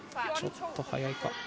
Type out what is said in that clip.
ちょっと速いか。